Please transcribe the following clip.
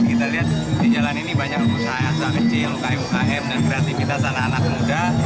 kita lihat di jalan ini banyak usaha kecil kukm dan kreativitas anak anak muda